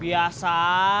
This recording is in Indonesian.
biasa aja meren